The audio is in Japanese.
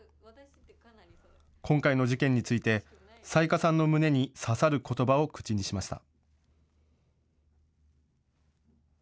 今回の事件について、雑賀さんの胸に刺さることばを口にしました。